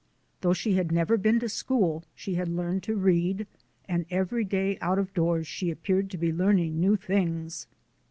Though she had never been to school she had learned to read, and every day out of doors she appeared to be learning new things.